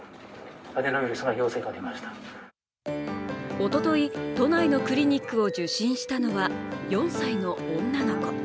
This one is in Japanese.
おととい、都内のクリニックを受診したのは４歳の女の子。